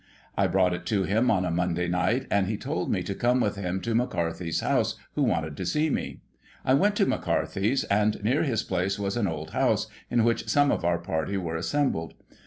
I brought it to him on a Monday night, and he told me to come with him to McCarthy's house, who wanted to see me. I went to McCarthy's, and near his place was an 'old house, in which some of our party were assembled.